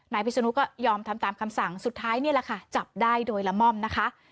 พิศนุก็ยอมทำตามคำสั่งสุดท้ายนี่แหละค่ะจับได้โดยละม่อมนะคะ